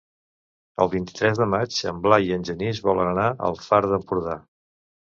El vint-i-tres de maig en Blai i en Genís volen anar al Far d'Empordà.